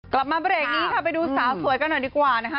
กลับมาเบรกนี้ค่ะไปดูสาวสวยกันหน่อยดีกว่านะคะ